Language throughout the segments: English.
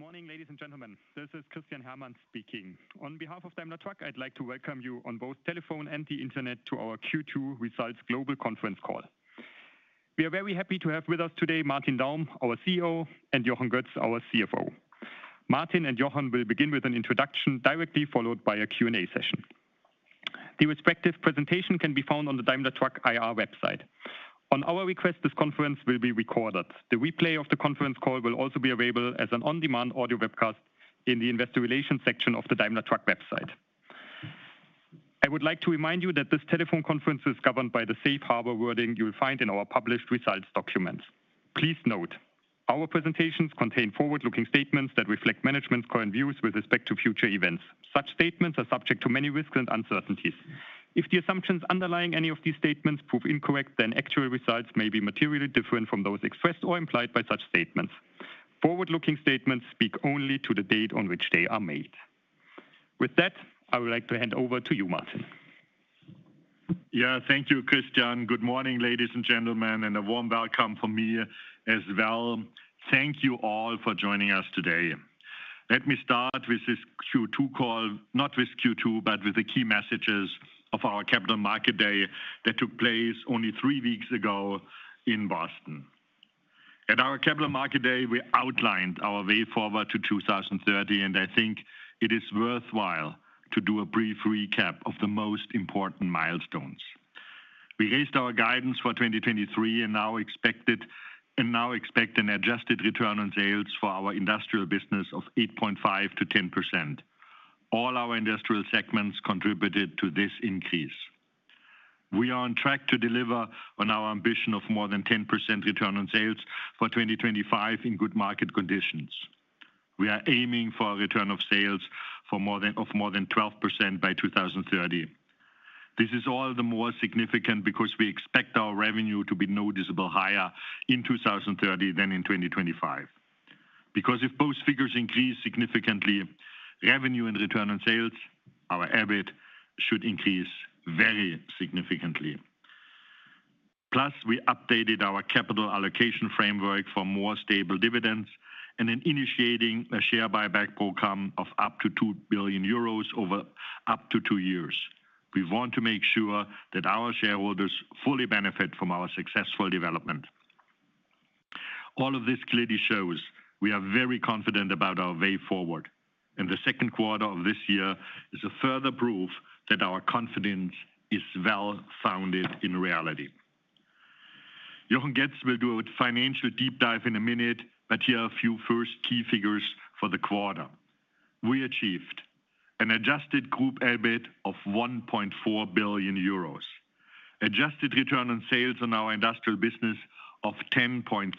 Good morning, ladies and gentlemen. This is Christian Herrmann speaking. On behalf of Daimler Truck, I'd like to welcome you on both telephone and the internet to our Q2 Results Global Conference Call. We are very happy to have with us today, Martin Daum, our CEO, and Jochen Goetz, our CFO. Martin and Jochen will begin with an introduction, directly followed by a Q&A session. The respective presentation can be found on the Daimler Truck IR website. On our request, this conference will be recorded. The replay of the conference call will also be available as an on-demand audio webcast in the Investor Relations section of the Daimler Truck website. I would like to remind you that this telephone conference is governed by the safe harbor wording you will find in our published results documents. Please note, our presentations contain forward-looking statements that reflect management's current views with respect to future events. Such statements are subject to many risks and uncertainties. If the assumptions underlying any of these statements prove incorrect, then actual results may be materially different from those expressed or implied by such statements. Forward-looking statements speak only to the date on which they are made. With that, I would like to hand over to you, Martin. Yeah. Thank you, Christian. Good morning, ladies and gentlemen, and a warm welcome from me as well. Thank you all for joining us today. Let me start with this Q2 call, not with Q2, but with the key messages of our Capital Market Day that took place only three weeks ago in Boston. At our Capital Market Day, we outlined our way forward to 2030, and I think it is worthwhile to do a brief recap of the most important milestones. We raised our guidance for 2023, and now expect an adjusted Return on Sales for our industrial business of 8.5%-10%. All our industrial segments contributed to this increase. We are on track to deliver on our ambition of more than 10% Return on Sales for 2025 in good market conditions. We are aiming for a return of sales for more than, of more than 12% by 2030. This is all the more significant because we expect our revenue to be noticeable higher in 2030 than in 2025. If both figures increase significantly, revenue and return of sales, our EBIT, should increase very significantly. We updated our capital allocation framework for more stable dividends and then initiating a share buyback program of up to 2 billion euros over up to two years. We want to make sure that our shareholders fully benefit from our successful development. All of this clearly shows we are very confident about our way forward, and the second quarter of this year is a further proof that our confidence is well-founded in reality. Jochen Goetz will do a financial deep dive in a minute, but here are a few first key figures for the quarter. We achieved an adjusted group EBIT of 1.4 billion euros. Adjusted Return on Sales on our industrial business of 10.3%.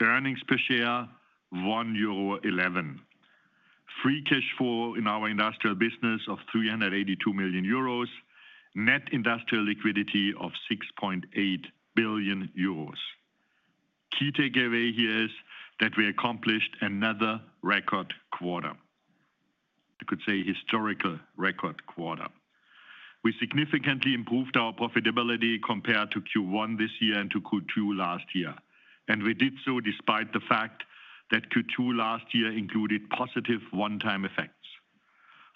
Earnings per share, 1.11 euro. Free cash flow in our industrial business of 382 million euros. Net Industrial Liquidity of 6.8 billion euros. Key takeaway here is that we accomplished another record quarter. You could say historical record quarter. We significantly improved our profitability compared to Q1 this year and to Q2 last year, and we did so despite the fact that Q2 last year included positive one-time effects.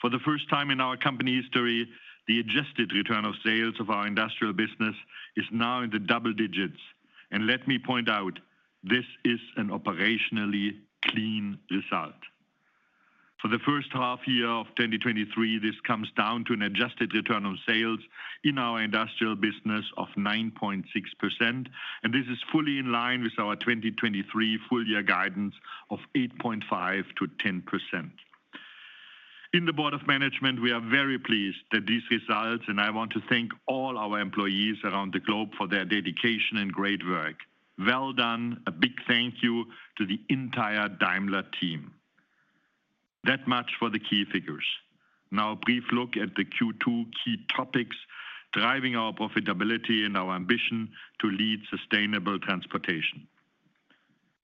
For the first time in our company history, the adjusted Return on Sales of our industrial business is now in the double digits. Let me point out, this is an operationally clean result. For the H1 year of 2023, this comes down to an adjusted Return on Sales in our industrial business of 9.6%. This is fully in line with our 2023 full year guidance of 8.5%-10%. In the board of management, we are very pleased at these results. I want to thank all our employees around the globe for their dedication and great work. Well done. A big thank you to the entire Daimler team. That much for the key figures. Now, a brief look at the Q2 key topics driving our profitability and our ambition to lead sustainable transportation.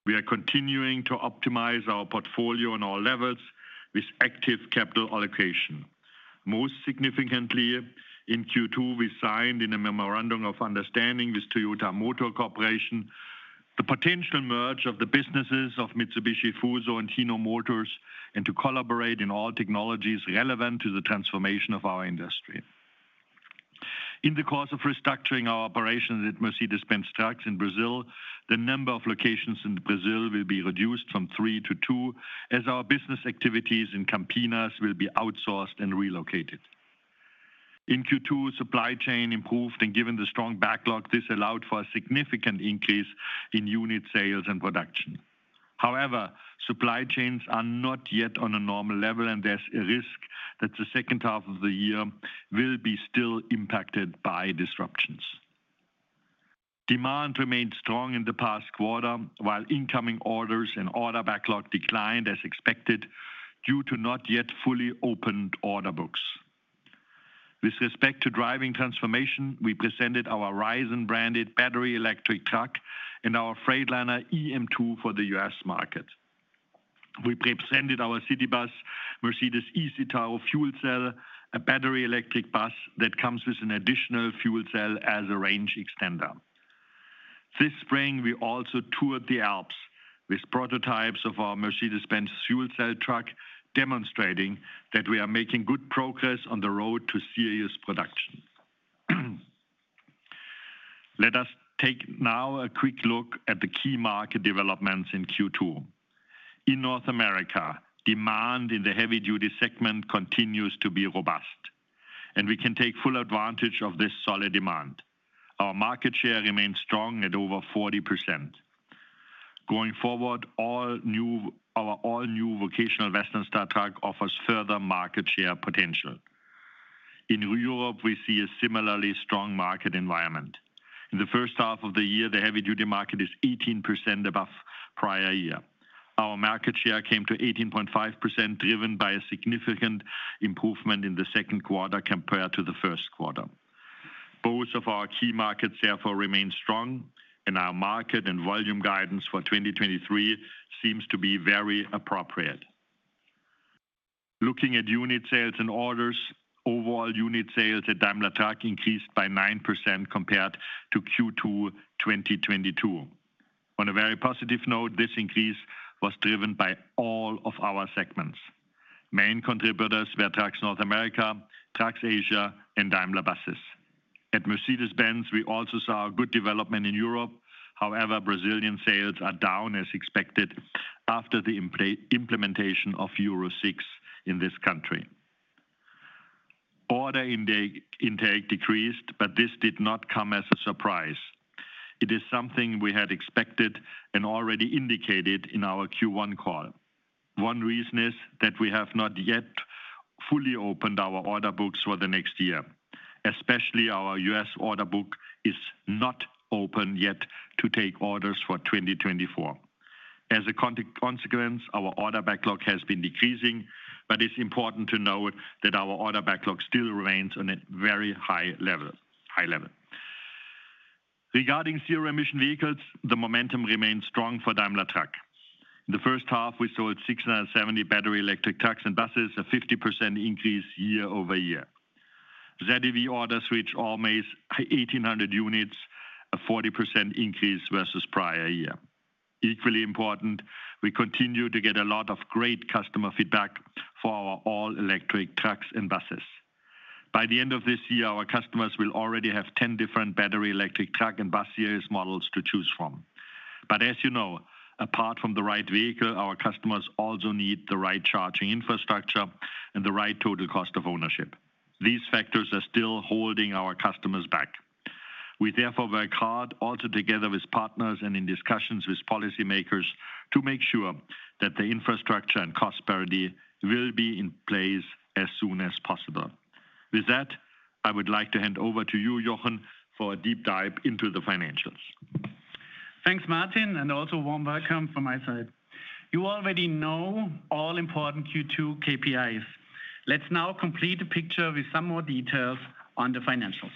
We are continuing to optimize our portfolio on all levels with active capital allocation. Most significantly, in Q2, we signed in a memorandum of understanding with Toyota Motor Corporation, the potential merge of the businesses of Mitsubishi Fuso and Hino Motors, and to collaborate in all technologies relevant to the transformation of our industry. In the course of restructuring our operations at Mercedes-Benz Trucks in Brazil, the number of locations in Brazil will be reduced from three to two, as our business activities in Campinas will be outsourced and relocated. In Q2, supply chain improved, given the strong backlog, this allowed for a significant increase in unit sales and production. Supply chains are not yet on a normal level, and there's a risk that the H2 of the year will be still impacted by disruptions. Demand remained strong in the past quarter, while incoming orders and order backlog declined as expected, due to not yet fully opened order books. With respect to driving transformation, we presented our Rizon-branded battery electric truck and our Freightliner eM2 for the U.S. market. We presented our city bus, Mercedes-Benz eCitaro fuel cell, a battery electric bus that comes with an additional fuel cell as a range extender. This spring, we also toured the Alps with prototypes of our Mercedes-Benz fuel cell truck, demonstrating that we are making good progress on the road to series production. Let us take now a quick look at the key market developments in Q2. In North America, demand in the heavy-duty segment continues to be robust, and we can take full advantage of this solid demand. Our market share remains strong at over 40%. Going forward, our all-new vocational Western Star truck offers further market share potential. In Europe, we see a similarly strong market environment. In the H1 of the year, the heavy-duty market is 18% above prior year. Our market share came to 18.5%, driven by a significant improvement in the second quarter compared to the first quarter. Both of our key markets therefore remain strong, and our market and volume guidance for 2023 seems to be very appropriate. Looking at unit sales and orders, overall unit sales at Daimler Truck increased by 9% compared to Q2 2022. On a very positive note, this increase was driven by all of our segments. Main contributors were Trucks North America, Trucks Asia, and Daimler Buses. At Mercedes-Benz, we also saw a good development in Europe. However, Brazilian sales are down as expected after the implementation of Euro VI in this country. Order intake decreased, this did not come as a surprise. It is something we had expected and already indicated in our Q1 call. One reason is that we have not yet fully opened our order books for the next year. Especially our U.S. order book is not open yet to take orders for 2024. As a consequence, our order backlog has been decreasing, it's important to note that our order backlog still remains on a very high level. Regarding zero-emission vehicles, the momentum remains strong for Daimler Truck. In the H1, we sold 670 battery electric trucks and buses, a 50% increase year-over-year. ZEV orders, which all made 1,800 units, a 40% increase versus prior year. Equally important, we continue to get a lot of great customer feedback for our all-electric trucks and buses. By the end of this year, our customers will already have 10 different battery electric truck and bus series models to choose from. As you know, apart from the right vehicle, our customers also need the right charging infrastructure and the right total cost of ownership. These factors are still holding our customers back. We therefore work hard, also together with partners and in discussions with policymakers, to make sure that the infrastructure and cost parity will be in place as soon as possible. With that, I would like to hand over to you, Jochen, for a deep dive into the financials. Thanks, Martin, and also a warm welcome from my side. You already know all important Q2 KPIs. Let's now complete the picture with some more details on the financials.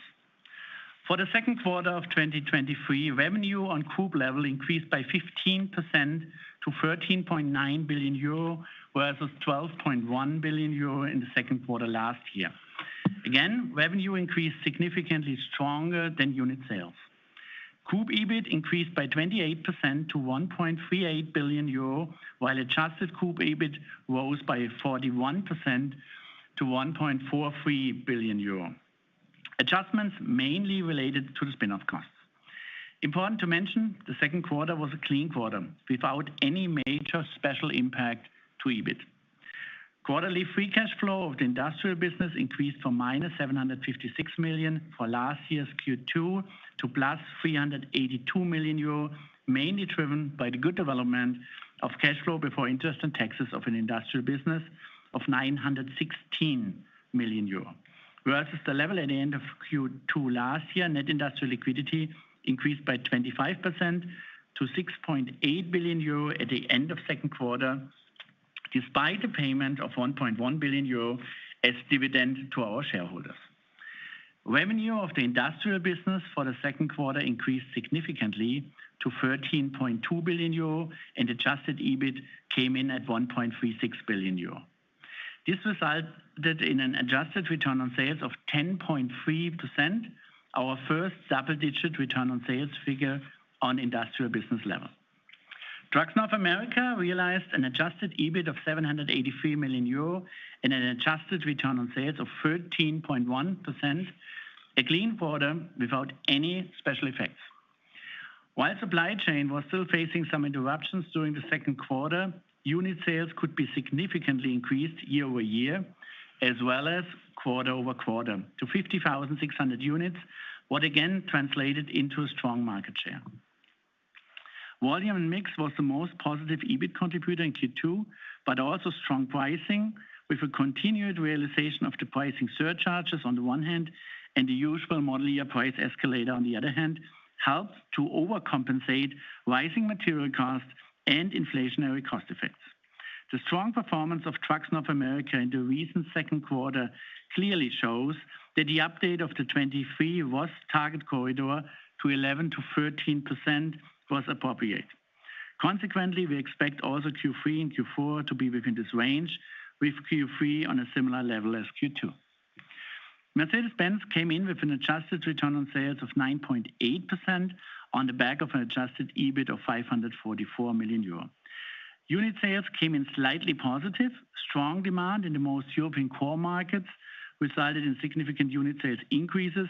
For the second quarter of 2023, revenue on group level increased by 15% to 13.9 billion euro, whereas it was 12.1 billion euro in the second quarter last year. Again, revenue increased significantly stronger than unit sales. Group EBIT increased by 28% to 1.38 billion euro, while adjusted group EBIT rose by 41% to 1.43 billion euro. Adjustments mainly related to the spin-off costs. Important to mention, the second quarter was a clean quarter without any major special impact to EBIT. Quarterly free cash flow of the industrial business increased from -756 million for last year's Q2 to +382 million euro, mainly driven by the good development of cash flow before interest and taxes of an industrial business of 916 million euro. Versus the level at the end of Q2 last year, Net Industrial Liquidity increased by 25% to 6.8 billion euro at the end of second quarter, despite the payment of 1.1 billion euro as dividend to our shareholders. Revenue of the industrial business for the second quarter increased significantly to 13.2 billion euro. Adjusted EBIT came in at 1.36 billion euro. This resulted in an adjusted Return on Sales of 10.3%, our first double-digit Return on Sales figure on industrial business level. Trucks North America realized an adjusted EBIT of 783 million euro and an adjusted Return on Sales of 13.1%, a clean quarter without any special effects. While supply chain was still facing some interruptions during the second quarter, unit sales could be significantly increased year-over-year, as well as quarter-over-quarter, to 50,600 units, what again translated into a strong market share. Volume and mix was the most positive EBIT contributor in Q2. Also strong pricing, with a continued realization of the pricing surcharges on the one hand, and the usual model year price escalator, on the other hand, helped to overcompensate rising material costs and inflationary cost effects. The strong performance of Trucks North America in the recent second quarter clearly shows that the update of the 23 was target corridor to 11%-13% was appropriate. We expect also Q3 and Q4 to be within this range, with Q3 on a similar level as Q2. Mercedes-Benz came in with an adjusted Return on Sales of 9.8% on the back of an adjusted EBIT of 544 million euro. Unit sales came in slightly positive. Strong demand in the most European core markets resulted in significant unit sales increases,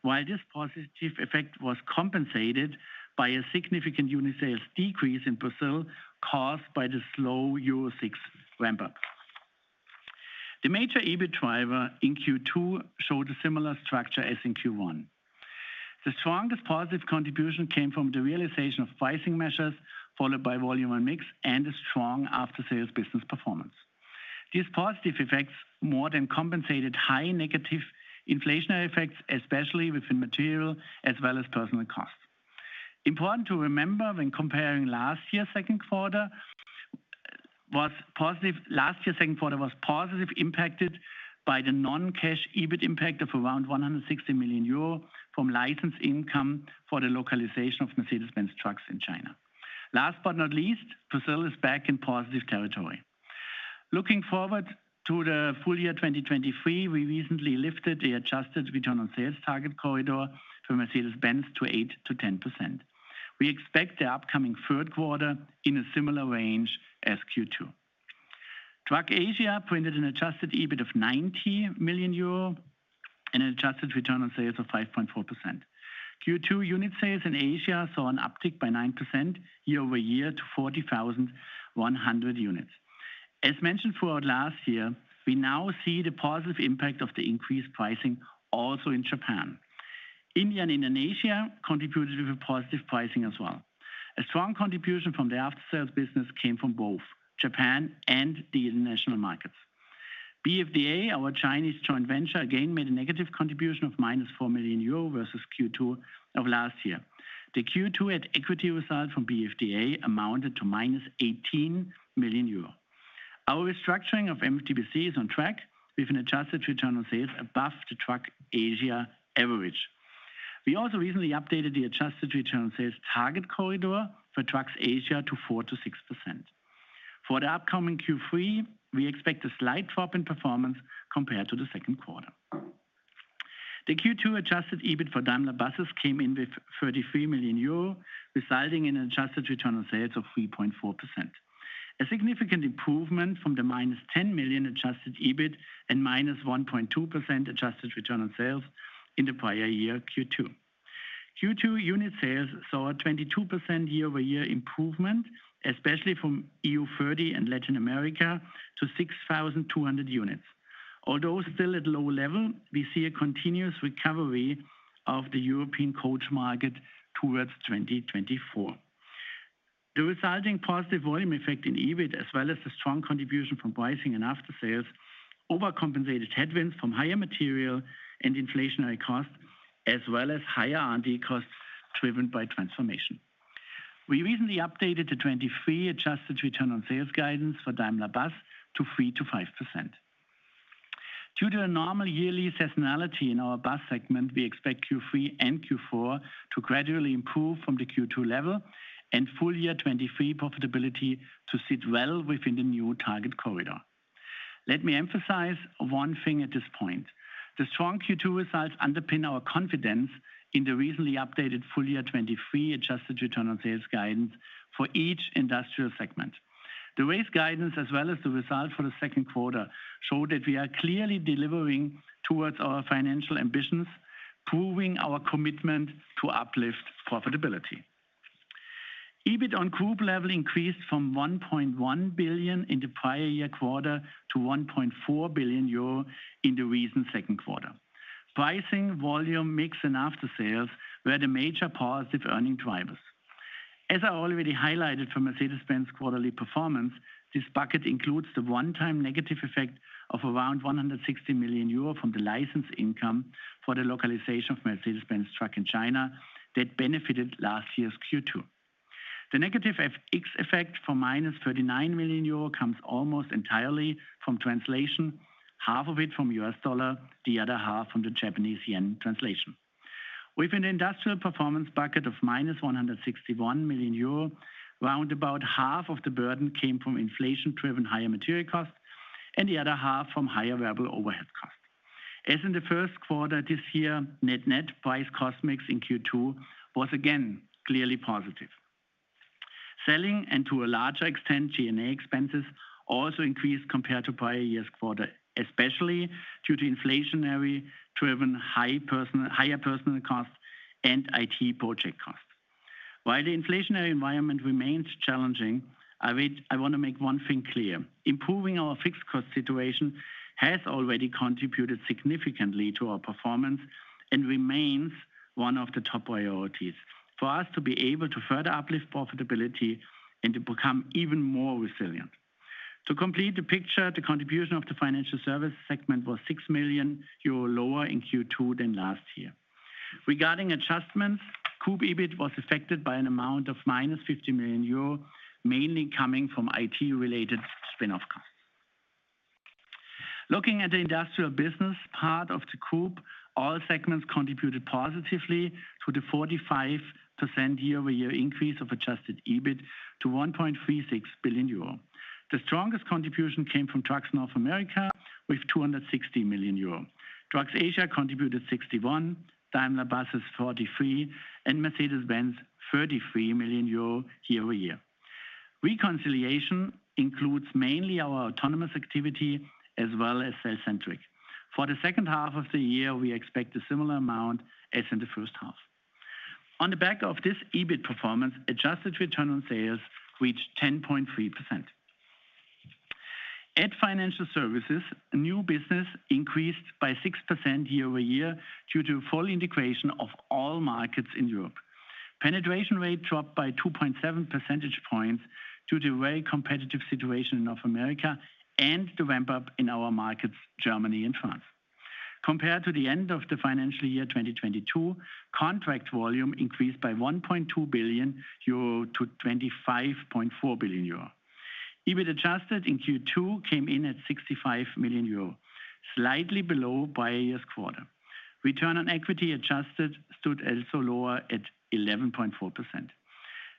while this positive effect was compensated by a significant unit sales decrease in Brazil, caused by the slow Euro 6 ramp-up. The major EBIT driver in Q2 showed a similar structure as in Q1. The strongest positive contribution came from the realization of pricing measures, followed by volume and mix, and a strong after-sales business performance. These positive effects more than compensated high negative inflationary effects, especially within material as well as personal costs. Important to remember when comparing Last year's second quarter was positive, impacted by the non-cash EBIT impact of around 160 million euro from licensed income for the localization of Mercedes-Benz trucks in China. Last but not least, Brazil is back in positive territory. Looking forward to the full year 2023, we recently lifted the adjusted Return on Sales target corridor for Mercedes-Benz to 8%-10%. We expect the upcoming third quarter in a similar range as Q2. Truck Asia printed an adjusted EBIT of 90 million euro and an adjusted Return on Sales of 5.4%. Q2 unit sales in Asia saw an uptick by 9% year-over-year to 40,100 units. As mentioned throughout last year, we now see the positive impact of the increased pricing also in Japan. India and Indonesia contributed with a positive pricing as well. BFDA, our Chinese joint venture, again, made a negative contribution of minus 4 million euro versus Q2 of last year. The Q2 at equity result from BFDA amounted to minus 18 million euro. Our restructuring of MTBC is on track, with an adjusted Return on Sales above the Truck Asia average. We also recently updated the adjusted Return on Sales target corridor for Trucks Asia to 4%-6%. For the upcoming Q3, we expect a slight drop in performance compared to the second quarter. The Q2 adjusted EBIT for Daimler Buses came in with 33 million euro, resulting in an adjusted Return on Sales of 3.4%. A significant improvement from the -10 million adjusted EBIT and -1.2% adjusted Return on Sales in the prior year, Q2. Q2 unit sales saw a 22% year-over-year improvement, especially from EU30 and Latin America, to 6,200 units. Although still at low level, we see a continuous recovery of the European coach market towards 2024. The resulting positive volume effect in EBIT, as well as the strong contribution from pricing and after-sales, overcompensated headwinds from higher material and inflationary costs, as well as higher R&D costs driven by transformation. We recently updated the 2023 adjusted Return on Sales guidance for Daimler Buses to 3%-5%. Due to the normal yearly seasonality in our bus segment, we expect Q3 and Q4 to gradually improve from the Q2 level and full year 2023 profitability to sit well within the new target corridor. Let me emphasize one thing at this point. The strong Q2 results underpin our confidence in the recently updated full year 2023 adjusted Return on Sales guidance for each industrial segment. The raised guidance, as well as the result for the second quarter, show that we are clearly delivering towards our financial ambitions, proving our commitment to uplift profitability. EBIT on group level increased from 1.1 billion in the prior year quarter to 1.4 billion euro in the recent second quarter. Pricing, volume, mix, and after-sales were the major positive earning drivers. As I already highlighted for Mercedes-Benz quarterly performance, this bucket includes the one-time negative effect of around 160 million euro from the licensed income for the localization of Mercedes-Benz Trucks in China, that benefited last year's Q2. The negative FX effect for minus 39 million euro comes almost entirely from translation, half of it from the US dollar, the other half from the Japanese yen translation. With an industrial performance bucket of minus 161 million euro, round about half of the burden came from inflation-driven higher material costs, and the other half from higher variable overhead costs. As in the first quarter, this year, net, net price cost mix in Q2 was again, clearly positive. Selling, and to a larger extent, G&A expenses, also increased compared to prior year's quarter, especially due to inflationary-driven higher personal costs and IT project costs. While the inflationary environment remains challenging, I want to make one thing clear, improving our fixed cost situation has already contributed significantly to our performance and remains one of the top priorities for us to be able to further uplift profitability and to become even more resilient. To complete the picture, the contribution of the financial service segment was 6 million euro lower in Q2 than last year. Regarding adjustments, group EBIT was affected by an amount of minus 50 million euro, mainly coming from IT-related spin-off costs. Looking at the industrial business part of the group, all segments contributed positively to the 45% year-over-year increase of adjusted EBIT to 1.36 billion euro. The strongest contribution came from Trucks North America, with 260 million euro. Trucks Asia contributed 61 million, Daimler Buses 43 million, and Mercedes-Benz 33 million euro year-over-year. Reconciliation includes mainly our autonomous activity as well as Torc Robotics. For the H2 of the year, we expect a similar amount as in the H1. On the back of this EBIT performance, adjusted Return on Sales reached 10.3%. At Financial Services, new business increased by 6% year-over-year due to full integration of all markets in Europe. Penetration rate dropped by 2.7 percentage points due to very competitive situation in North America and the ramp-up in our markets, Germany and France. Compared to the end of the financial year 2022, contract volume increased by 1.2 billion euro to 25.4 billion euro. EBIT adjusted in Q2 came in at 65 million euro, slightly below by a quarter. Return on Equity adjusted stood also lower at 11.4%.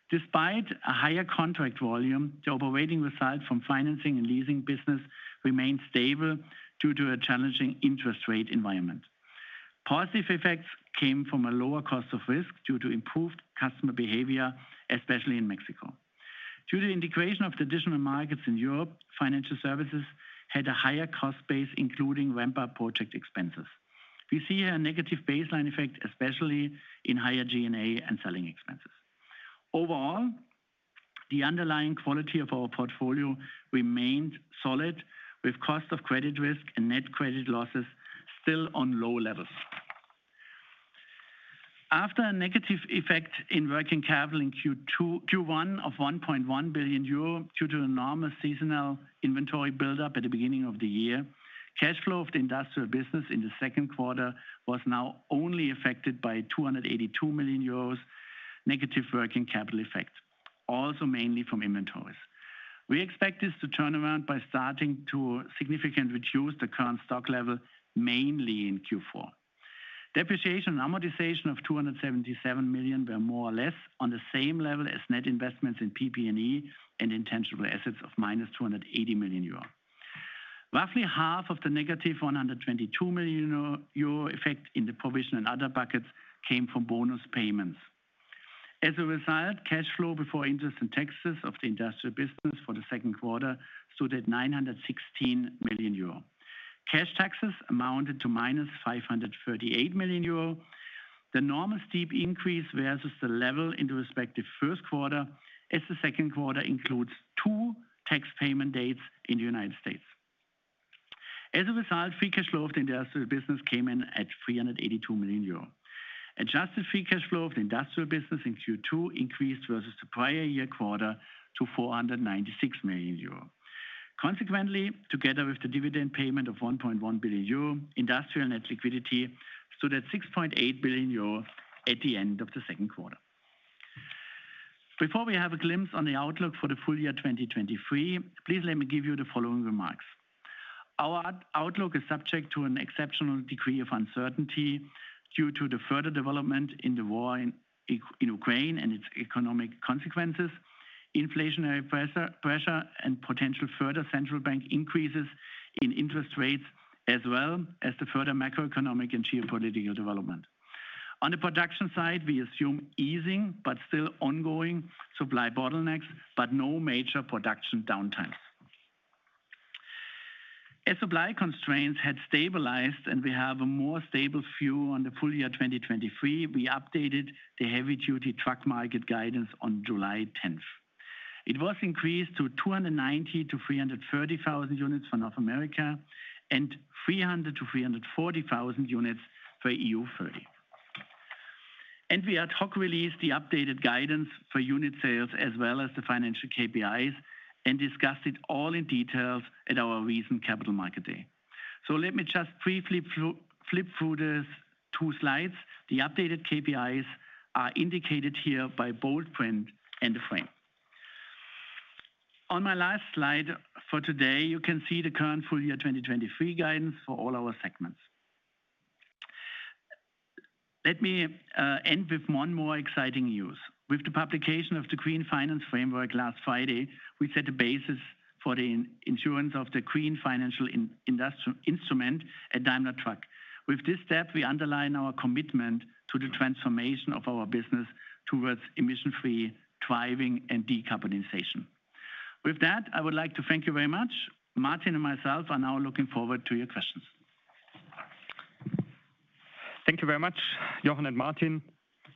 Despite a higher contract volume, the operating result from financing and leasing business remained stable due to a challenging interest rate environment. Positive effects came from a lower cost of risk due to improved customer behavior, especially in Mexico. Due to the integration of the additional markets in Europe, Financial Services had a higher cost base, including ramp-up project expenses. We see a negative baseline effect, especially in higher G&A and selling expenses. Overall, the underlying quality of our portfolio remained solid, with cost of credit risk and net credit losses still on low levels. After a negative effect in working capital in Q1 of 1.1 billion euro, due to enormous seasonal inventory buildup at the beginning of the year, cash flow of the industrial business in the second quarter was now only affected by 282 million euros negative working capital effect, also mainly from inventories. We expect this to turn around by starting to significantly reduce the current stock level, mainly in Q4. Depreciation and amortization of 277 million were more or less on the same level as net investments in PP&E and intangible assets of minus 280 million euro. Roughly half of the negative 122 million euro effect in the provision and other buckets came from bonus payments. As a result, cash flow before interest and taxes of the industrial business for the second quarter stood at 916 million euro. Cash taxes amounted to -538 million euro. The normal steep increase versus the level in the respective first quarter, as the second quarter includes two tax payment dates in the United States. As a result, free cash flow of the industrial business came in at 382 million euro. Adjusted free cash flow of the industrial business in Q2 increased versus the prior year quarter to 496 million euro. Consequently, together with the dividend payment of 1.1 billion euro, industrial net liquidity stood at 6.8 billion euro at the end of the second quarter. Before we have a glimpse on the outlook for the full year 2023, please let me give you the following remarks: Our outlook is subject to an exceptional degree of uncertainty due to the further development in the war in Ukraine and its economic consequences, inflationary pressure, and potential further central bank increases in interest rates, as well as the further macroeconomic and geopolitical development. On the production side, we assume easing, but still ongoing supply bottlenecks, but no major production downtimes. As supply constraints had stabilized and we have a more stable view on the full year 2023, we updated the heavy-duty truck market guidance on July 10th. It was increased to 290,000-330,000 units for North America, and 300,000-340,000 units for EU30. We ad hoc released the updated guidance for unit sales, as well as the financial KPIs, and discussed it all in details at our recent Capital Market Day. Let me just briefly flip through these two slides. The updated KPIs are indicated here by bold print and a frame. On my last slide for today, you can see the current full year 2023 guidance for all our segments. Let me end with one more exciting news. With the publication of the Green Finance Framework last Friday, we set the basis for the issuance of the green financing instruments at Daimler Truck. With this step, we underline our commitment to the transformation of our business towards emission-free driving and decarbonization. With that, I would like to thank you very much. Martin and myself are now looking forward to your questions. Thank you very much, Jochen and Martin.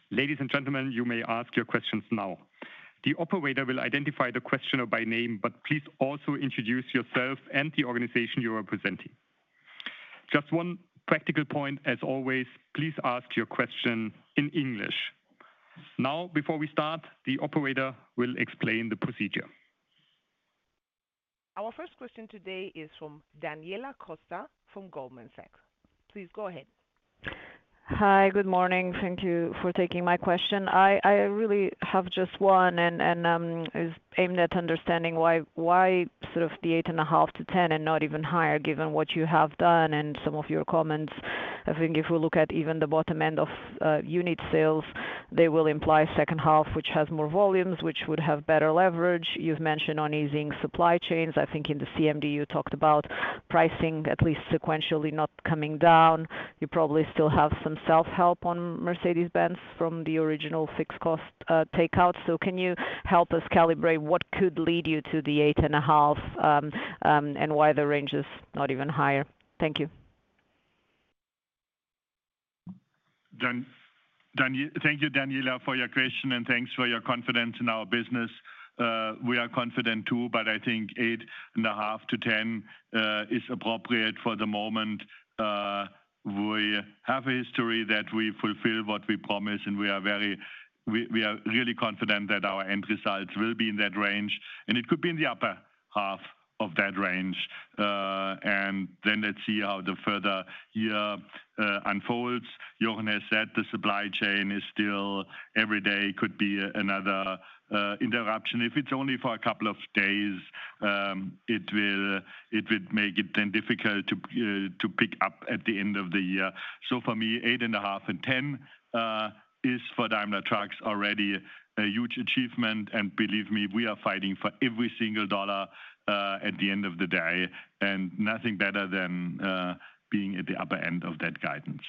Ladies and gentlemen, you may ask your questions now. The operator will identify the questioner by name, but please also introduce yourself and the organization you are representing. Just one practical point, as always, please ask your question in English. Now, before we start, the operator will explain the procedure. Our first question today is from Daniela Costa, from Goldman Sachs. Please go ahead. Hi, good morning. Thank you for taking my question. I really have just one, and, and, it's aimed at understanding why, why sort of the 8.5-10 and not even higher, given what you have done and some of your comments? I think if we look at even the bottom end of unit sales, they will imply H2, which has more volumes, which would have better leverage. You've mentioned on easing supply chains. I think in the CMD, you talked about pricing, at least sequentially, not coming down. You probably still have some self-help on Mercedes-Benz from the original fixed cost takeout. Can you help us calibrate what could lead you to the 8.5, and why the range is not even higher? Thank you. Thank you, Daniela, for your question, thanks for your confidence in our business. We are confident too, I think 8.5-10 is appropriate for the moment. We have a history that we fulfill what we promise, we are very, we are really confident that our end results will be in that range, it could be in the upper half of that range. Let's see how the further year unfolds. Jochen has said the supply chain is still, every day could be another interruption. If it's only for a couple of days, it will, it would make it then difficult to pick up at the end of the year. For me, 8.5 and 10 is for Daimler Truck already a huge achievement. Believe me, we are fighting for every single dollar at the end of the day. Nothing better than being at the upper end of that guidance.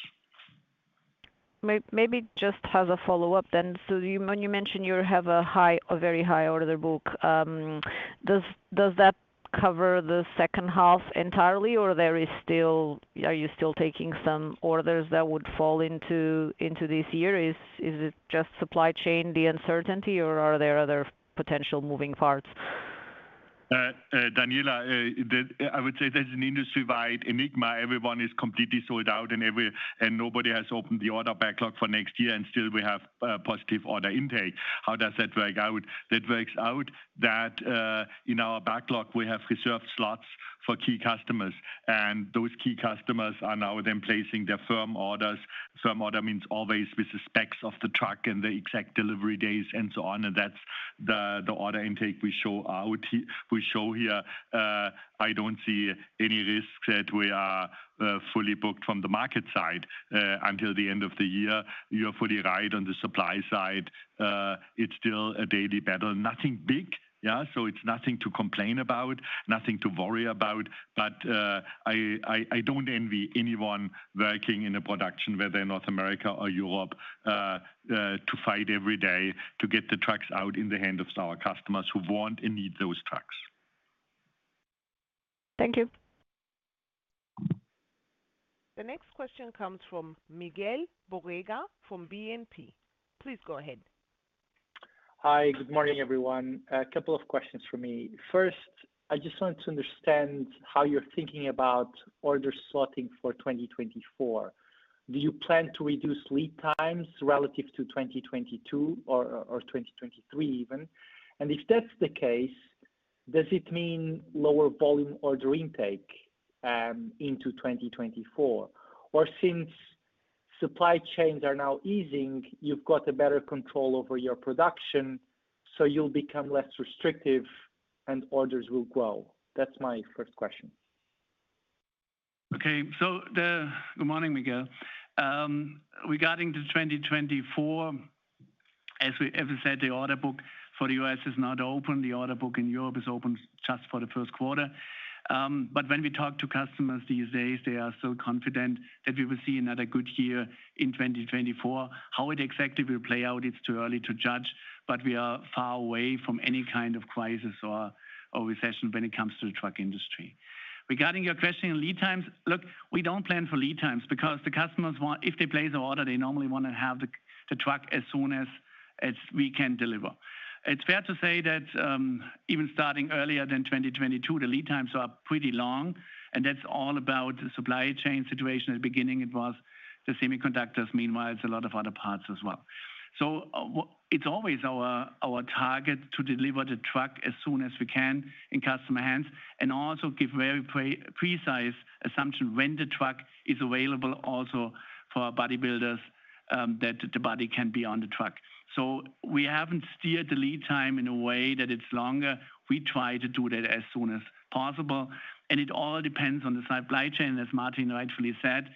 maybe just as a follow-up then. You, when you mentioned you have a high, a very high order book, does that cover the H2 entirely, or there is still. Are you still taking some orders that would fall into this year? Is it just supply chain, the uncertainty, or are there other potential moving parts? Daniela, the, I would say there's an industry-wide enigma. Everyone is completely sold out, and nobody has opened the order backlog for next year, and still we have positive order intake. How does that work out? That works out that in our backlog, we have reserved slots for key customers, and those key customers are now then placing their firm orders. Firm order means always with the specs of the truck and the exact delivery days and so on, and that's the, the order intake we show out here-- we show here. I don't see any risks that we are fully booked from the market side until the end of the year. You are fully right on the supply side, it's still a daily battle. Nothing big, yeah, so it's nothing to complain about, nothing to worry about, but, I don't envy anyone working in a production, whether in North America or Europe, to fight every day to get the trucks out in the hands of our customers who want and need those trucks. Thank you. The next question comes from Miguel Borrega, from BNP. Please go ahead. Hi, good morning, everyone. A couple of questions from me. First, I just want to understand how you're thinking about order slotting for 2024. Do you plan to reduce lead times relative to 2022 or 2023 even? If that's the case, does it mean lower volume order intake into 2024? Since supply chains are now easing, you've got a better control over your production, so you'll become less restrictive and orders will grow? That's my first question. Okay. good morning, Miguel. Regarding to 2024, as we ever said, the order book for the U.S. is now open, the order book in Europe is open just for the first quarter. When we talk to customers these days, they are so confident that we will see another good year in 2024. How it exactly will play out, it's too early to judge, we are far away from any kind of crisis or recession when it comes to the truck industry. Regarding your question on lead times, look, we don't plan for lead times because the customers want If they place an order, they normally want to have the truck as soon as we can deliver. It's fair to say that, even starting earlier than 2022, the lead times are pretty long, and that's all about the supply chain situation. At the beginning, it was the semiconductors, meanwhile, it's a lot of other parts as well. It's always our, our target to deliver the truck as soon as we can in customer hands, and also give very precise assumption when the truck is available also for our body builders, that the body can be on the truck. We haven't steered the lead time in a way that it's longer. We try to do that as soon as possible, and it all depends on the supply chain, as Martin rightfully said.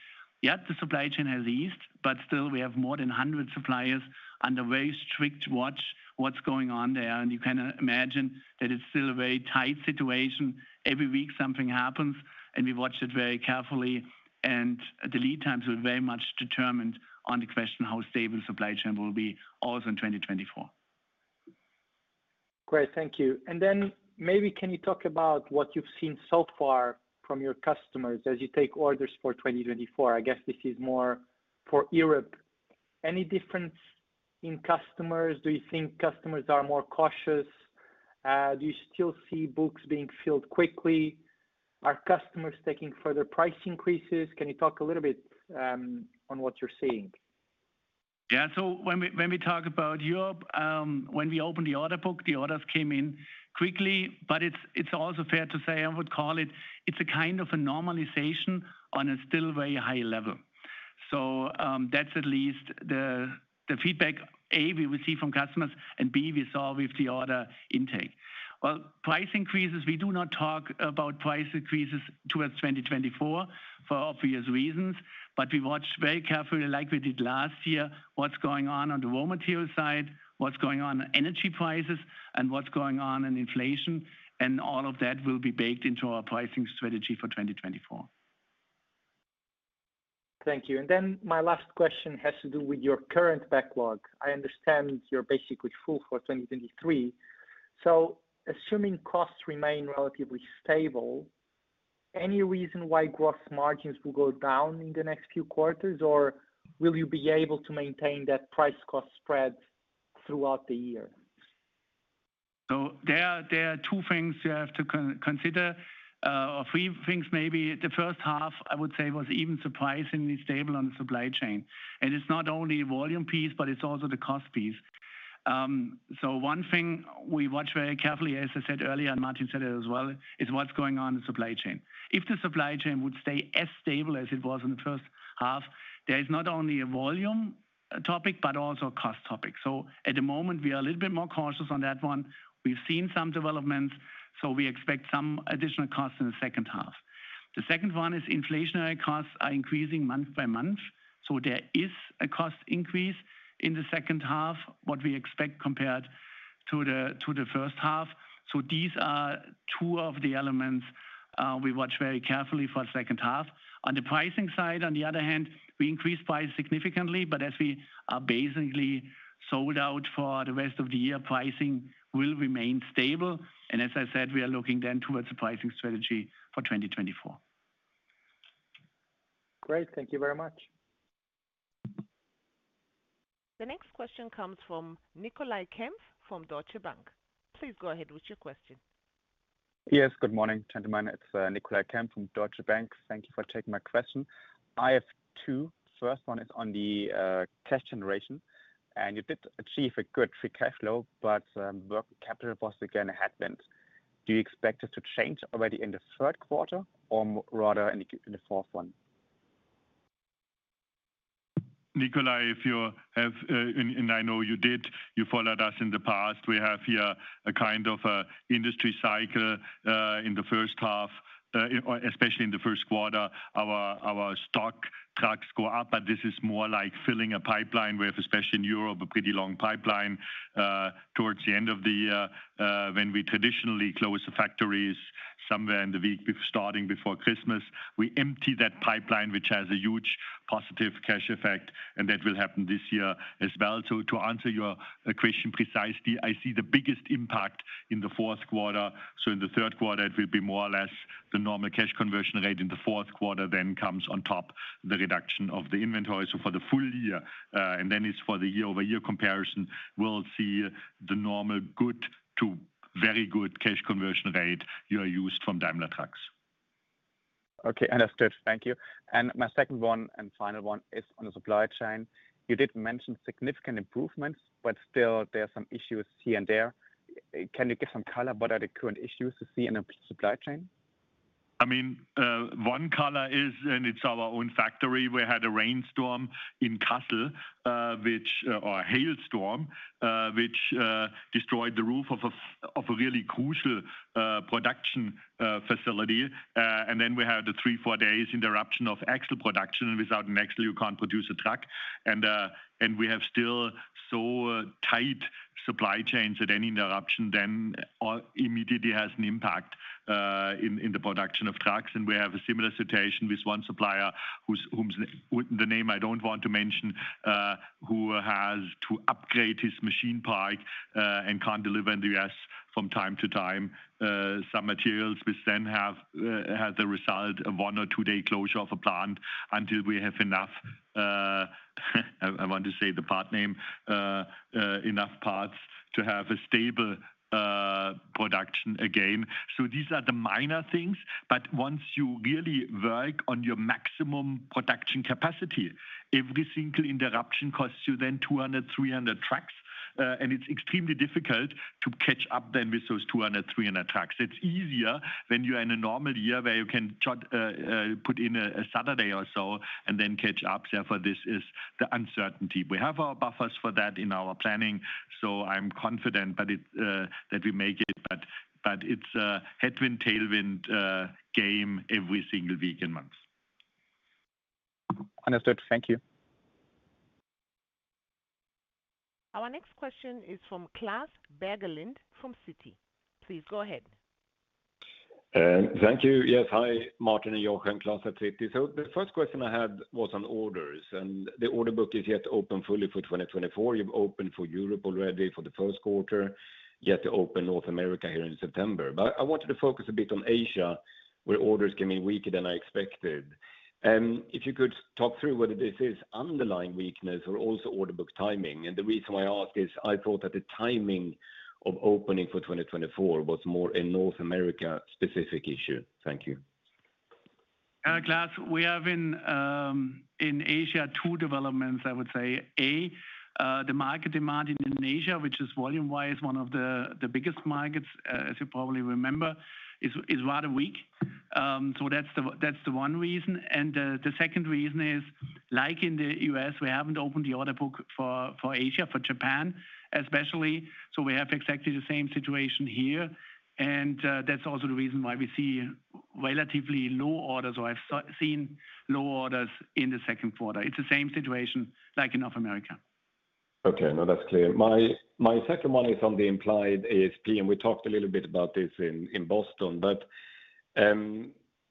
Yeah, the supply chain has eased, but still we have more than 100 suppliers under very strict watch, what's going on there, and you can imagine that it's still a very tight situation. Every week, something happens, and we watch it very carefully, and the lead times are very much determined on the question, how stable supply chain will be also in 2024. Great, thank you. Maybe, can you talk about what you've seen so far from your customers as you take orders for 2024? I guess this is more for Europe. Any difference in customers? Do you think customers are more cautious? Do you still see books being filled quickly? Are customers taking further price increases? Can you talk a little bit on what you're seeing? When we talk about Europe, when we opened the order book, the orders came in quickly. It's, it's also fair to say, I would call it, it's a kind of a normalization on a still very high level. That's at least the, the feedback, A, we receive from customers, and B, we saw with the order intake. Price increases, we do not talk about price increases towards 2024 for obvious reasons, but we watch very carefully, like we did last year, what's going on on the raw material side, what's going on in energy prices, and what's going on in inflation, and all of that will be baked into our pricing strategy for 2024. Thank you. Then my last question has to do with your current backlog. I understand you're basically full for 2023. Assuming costs remain relatively stable, any reason why gross margins will go down in the next few quarters, or will you be able to maintain that price-cost spread throughout the year? There are, there are two things you have to consider, or three things maybe. The H1, I would say, was even surprisingly stable on the supply chain. It's not only volume piece, but it's also the cost piece. One thing we watch very carefully, as I said earlier, and Martin said it as well, is what's going on in the supply chain. If the supply chain would stay as stable as it was in the H1, there is not only a volume topic, but also a cost topic. At the moment, we are a little bit more cautious on that one. We've seen some developments, so we expect some additional costs in the H2. The second one is inflationary costs are increasing month by month, there is a cost increase in the H2, what we expect compared to the H1. These are two of the elements we watch very carefully for the H2. On the pricing side, on the other hand, we increased price significantly, but as we are basically sold out for the rest of the year, pricing will remain stable. As I said, we are looking then towards a pricing strategy for 2024. Great. Thank you very much. The next question comes from Nicolai Kempf from Deutsche Bank. Please go ahead with your question. Yes, good morning, gentlemen. It's Nicolai Kempf from Deutsche Bank. Thank you for taking my question. I have two. First one is on the cash generation, and you did achieve a good free cash flow, but working capital was again a headwind. Do you expect it to change already in the third quarter or rather in the fourth one? Nicolai, if you have, and I know you did, you followed us in the past, we have here a kind of a industry cycle in the H1, or especially in the first quarter, our stock trucks go up, but this is more like filling a pipeline. We have, especially in Europe, a pretty long pipeline towards the end of the year, when we traditionally close the factories somewhere in the week before starting before Christmas. We empty that pipeline, which has a huge positive cash effect, and that will happen this year as well. To answer your question precisely, I see the biggest impact in the fourth quarter. In the third quarter, it will be more or less the normal cash conversion rate. In the fourth quarter then comes on top the reduction of the inventory. For the full year, and then it's for the year-over-year comparison, we'll see the normal good to very good cash conversion rate you are used from Daimler Truck. Okay, understood. Thank you. My second one and final one is on the supply chain. You did mention significant improvements, but still there are some issues here and there. Can you give some color what are the current issues you see in the supply chain? I mean, one color is, and it's our own factory. We had a rainstorm in Kassel, which, or a hailstorm, which destroyed the roof of a really crucial production facility. Then we had a three, four days interruption of axle production, and without an axle, you can't produce a truck. We have still so tight supply chains that any interruption then immediately has an impact in the production of trucks. We have a similar situation with one supplier, whose the name I don't want to mention, who has to upgrade his machine park, and can't deliver in the U.S. from time to time. hich then had the result of one or two-day closure of a plant until we have enough, I want to say the part name, enough parts to have a stable production again. These are the minor things, but once you really work on your maximum production capacity, every single interruption costs you then 200 trucks, 300 trucks. And it's extremely difficult to catch up then with those 200 trucks, 300 trucks. It's easier when you're in a normal year, where you can just put in a Saturday or so and then catch up. Therefore, this is the uncertainty. We have our buffers for that in our planning, so I'm confident that we make it, but it's a headwind, tailwind game every single week and month. Understood. Thank you. Our next question is from Klas Bergelind, from Citi. Please go ahead. Thank you. Yes, hi, Martin Daum and Jochen Goetz. Klas Bergelind at Citi. The first question I had was on orders, and the order book is yet to open fully for 2024. You've opened for Europe already for the first quarter, yet to open North America here in September. I wanted to focus a bit on Asia, where orders came in weaker than I expected. If you could talk through whether this is underlying weakness or also order book timing. The reason why I ask is, I thought that the timing of opening for 2024 was more a North America specific issue. Thank you. Claes, we have in Asia, two developments, I would say. A, the market demand in Indonesia, which is volume-wise, one of the biggest markets, as you probably remember, is rather weak. So that's the one reason. The second reason is, like in the U.S., we haven't opened the order book for Asia, for Japan especially, so we have exactly the same situation here, that's also the reason why we see relatively low orders or have seen low orders in the second quarter. It's the same situation like in North America. Okay, now that's clear. My second one is on the implied ASP. We talked a little bit about this in, in Boston,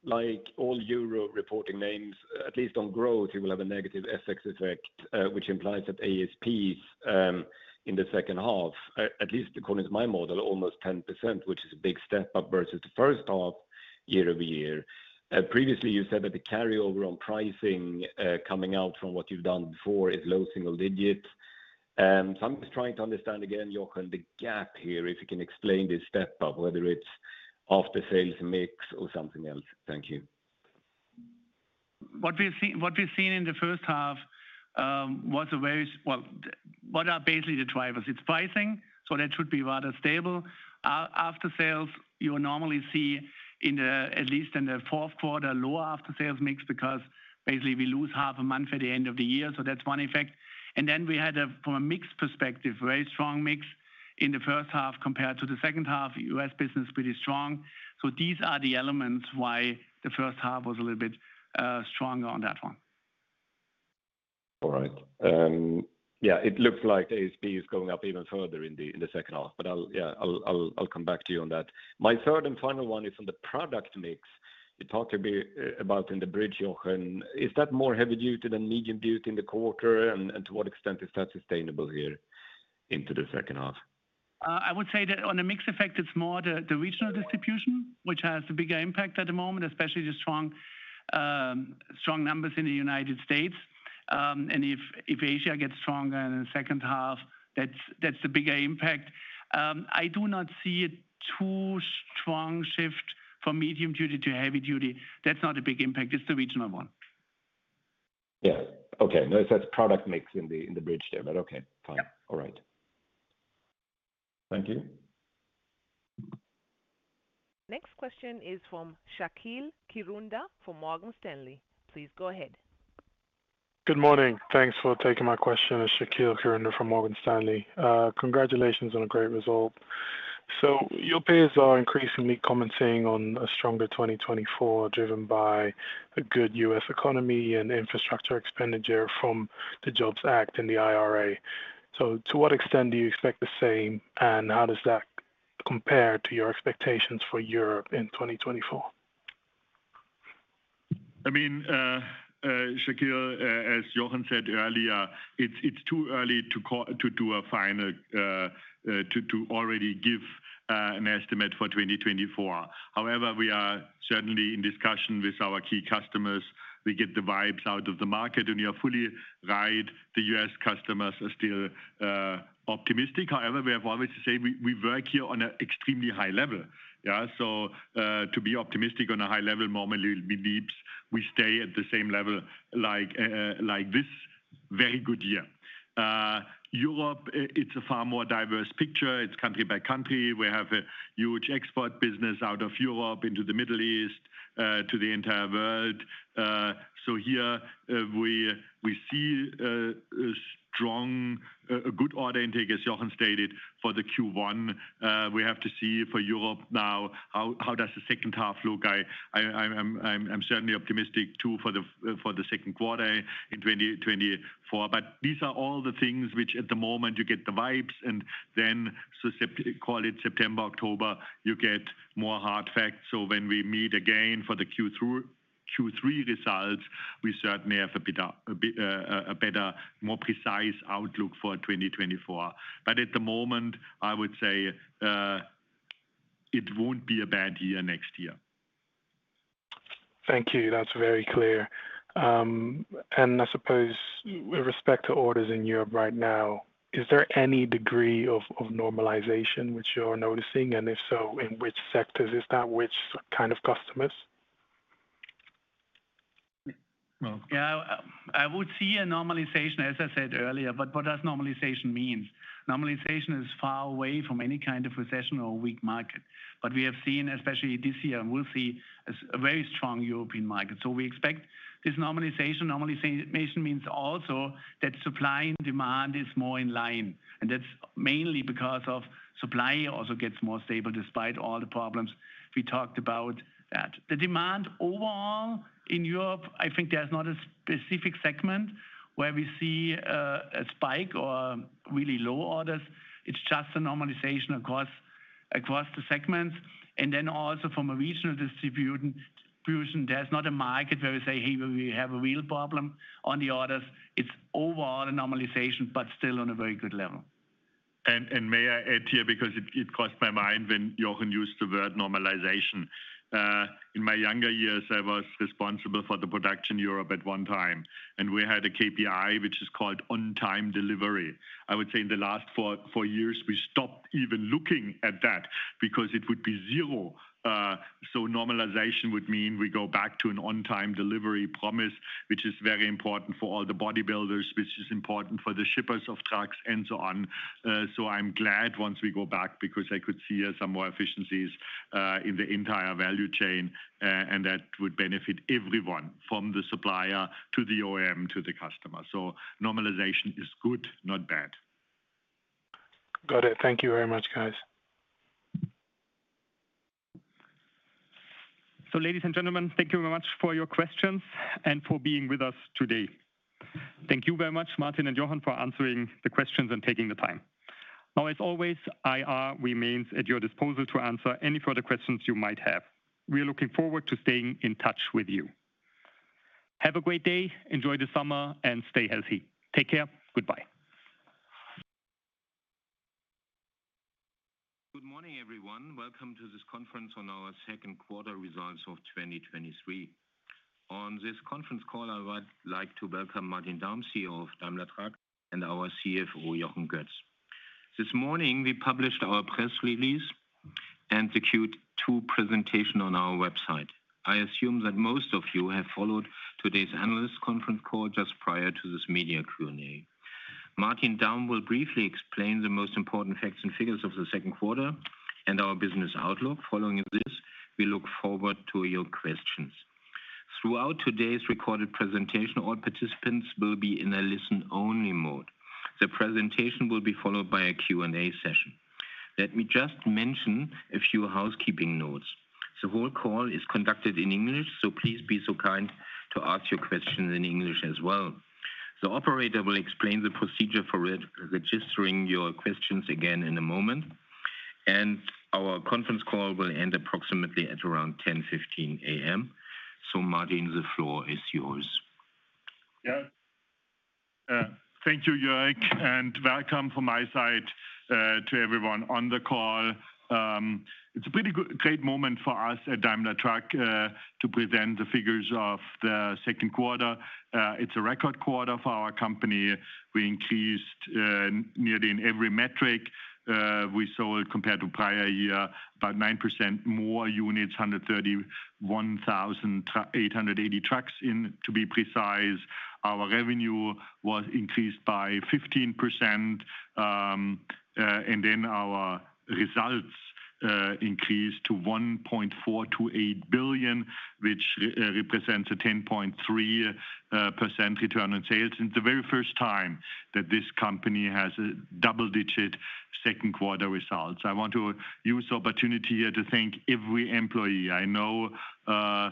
like all Euro reporting names, at least on growth, you will have a negative FX effect, which implies that ASPs, in the H2, at, at least according to my model, almost 10%, which is a big step up versus the H1, year-over-year. Previously, you said that the carryover on pricing, coming out from what you've done before is low single digits. I'm just trying to understand again, Jochen, the gap here, if you can explain this step up, whether it's after sales mix or something else. Thank you. What we've seen, what we've seen in the H1, well, what are basically the drivers? It's pricing, so that should be rather stable. After sales, you would normally see in the, at least in the fourth quarter, lower after sales mix, because basically we lose half a month at the end of the year, so that's one effect. Then we had a, from a mix perspective, very strong mix in the H1 compared to the H2. U.S. business, pretty strong. These are the elements why the H1 was a little bit stronger on that one. All right. yeah, it looks like ASP is going up even further in the, in the H2, but I'll, yeah, I'll come back to you on that. My third and final one is on the product mix. You talked a bit about in the bridge, Jochen, is that more heavy duty than medium duty in the quarter? And to what extent is that sustainable here into the H2? I would say that on a mix effect, it's more the, the regional distribution, which has the bigger impact at the moment, especially the strong, strong numbers in the United States. If Asia gets stronger in the H2, that's the bigger impact. I do not see a too strong shift from medium duty to heavy duty. That's not a big impact. It's the regional one. Yeah. Okay. No, it says product mix in the, in the bridge there, but okay, fine. Yeah. All right. Thank you. Next question is from Shakeel Karunakaran from Morgan Stanley. Please go ahead. Good morning. Thanks for taking my question. It's Shakeel Karunakaran from Morgan Stanley. Congratulations on a great result. Your peers are increasingly commenting on a stronger 2024, driven by a good U.S. economy and infrastructure expenditure from the Jobs Act and the IRA. To what extent do you expect the same, and how does that compare to your expectations for Europe in 2024? I mean, Shakeel, as Jochen said earlier, it's, it's too early to do a final, to, to already give an estimate for 2024. However, we are certainly in discussion with our key customers. We get the vibes out of the market, and you are fully right, the U.S. customers are still optimistic. However, we have always to say, we, we work here on a extremely high level. Yeah. To be optimistic on a high level, normally we need, we stay at the same level, like this very good year. Europe, i-it's a far more diverse picture. It's country by country. We have a huge export business out of Europe into the Middle East, to the entire world. Here, we see a strong, a good order intake, as Jochen stated, for the Q1. We have to see for Europe now, how, how does the H2 look? I'm certainly optimistic too, for the second quarter in 2024. These are all the things which at the moment, you get the vibes, and then, call it September, October, you get more hard facts. When we meet again for the Q2, Q3 results, we certainly have a bit, a better, more precise outlook for 2024. At the moment, I would say, it won't be a bad year next year. Thank you. That's very clear. I suppose with respect to orders in Europe right now, is there any degree of, of normalization which you're noticing? If so, in which sectors is that, which kind of customers? Well... Yeah, I would see a normalization, as I said earlier, but what does normalization mean? Normalization is far away from any kind of recession or weak market. We have seen, especially this year, and we'll see a very strong European market. We expect this normalization. Normalization means also that supply and demand is more in line, and that's mainly because of supply also gets more stable, despite all the problems we talked about that. The demand overall in Europe, I think there's not a specific segment where we see a spike or really low orders. It's just a normalization across the segments. Then also from a regional distribution, there's not a market where we say, "Hey, we have a real problem on the orders." It's overall a normalization, but still on a very good level. May I add here, because it, it crossed my mind when Jochen used the word normalization. In my younger years, I was responsible for the production Europe at one time, and we had a KPI, which is called on-time delivery. I would say in the last four years, we stopped even looking at that because it would be 0. Normalization would mean we go back to an on-time delivery promise, which is very important for all the bodybuilders, which is important for the shippers of trucks, and so on. I'm glad once we go back, because I could see some more efficiencies in the entire value chain, and that would benefit everyone, from the supplier, to the OEM, to the customer. Normalization is good, not bad. Got it. Thank you very much, guys. Ladies and gentlemen, thank you very much for your questions and for being with us today. Thank you very much, Martin and Jochen, for answering the questions and taking the time. Now, as always, IR remains at your disposal to answer any further questions you might have. We are looking forward to staying in touch with you. Have a great day, enjoy the summer and stay healthy. Take care. Goodbye. Good morning, everyone. Welcome to this conference on our second quarter results of 2023. On this conference call, I would like to welcome Martin Daum, CEO of Daimler Truck, and our CFO, Jochen Goetz. This morning, we published our press release and the Q2 presentation on our website. I assume that most of you have followed today's analyst conference call just prior to this media Q&A. Martin Daum will briefly explain the most important facts and figures of the second quarter and our business outlook. Following this, we look forward to your questions. Throughout today's recorded presentation, all participants will be in a listen-only mode. The presentation will be followed by a Q&A session. Let me just mention a few housekeeping notes. The whole call is conducted in English, please be so kind to ask your questions in English as well. The operator will explain the procedure for re-registering your questions again in a moment. Our conference call will end approximately at around 10:15AM. Martin, the floor is yours. Yeah. Thank you, Jochen, and welcome from my side to everyone on the call. It's a pretty good-- great moment for us at Daimler Truck to present the figures of the second quarter. It's a record quarter for our company. We increased nearly in every metric. We sold, compared to prior year, about 9% more units, 131,880 trucks in, to be precise. Our revenue was increased by 15%, and then our results increased to 1.428 billion, which represents a 10.3% Return on Sales, and the very first time that this company has a double-digit second quarter results. I want to use the opportunity here to thank every employee. I know how